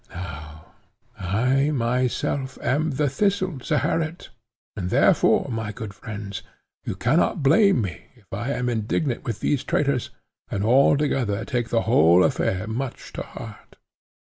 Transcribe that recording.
Now, I myself am the Thistle, Zeherit, and, therefore, my good friends, you cannot blame me if I am indignant with those traitors, and altogether take the whole affair much to heart."